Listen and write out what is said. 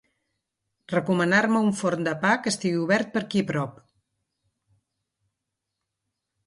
Recomanar-me un forn de pa que estigui obert per aquí a prop.